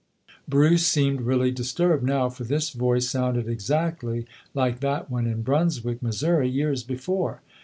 Bruce seemed really disturbed now, for this voice sounded exactly like that one in Brunswick, Missouri, years before.